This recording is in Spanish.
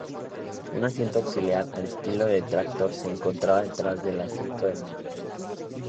Un asiento auxiliar, al estilo de tractor, se encontraba detrás del "asiento del navegante.